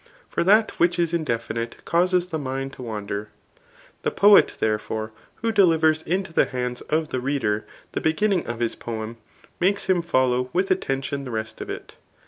For that which is indefinite causes the mind to wander. The poet, therefore, who delivers into the hands of the reader the beginning of his poem, makes him follow with attention the rest of it.